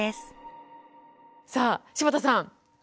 さあ柴田さん